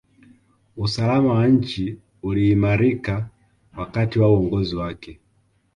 usalama wa nchi uliimarika wakati wa uongozi wake